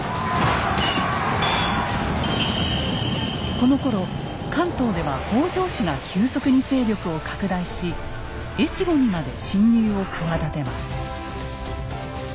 このころ関東では北条氏が急速に勢力を拡大し越後にまで侵入を企てます。